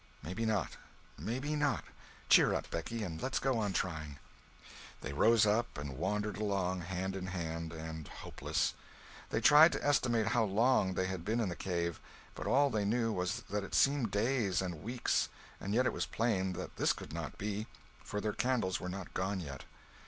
"Maybe not, maybe not. Cheer up, Becky, and let's go on trying." They rose up and wandered along, hand in hand and hopeless. They tried to estimate how long they had been in the cave, but all they knew was that it seemed days and weeks, and yet it was plain that this could not be, for their candles were not gone yet.